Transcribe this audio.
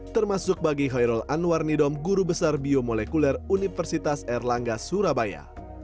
termasuk bagi hoirul anwar nidom guru besar biomolekuler universitas erlangga surabaya